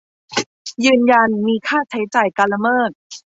ยืนยันมีค่าใช้จ่ายการละเมิด